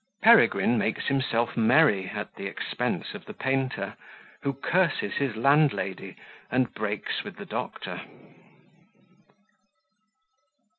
Peregrine makes himself Merry at the Expense of the Painter, who curses his Landlady, and breaks with the Doctor.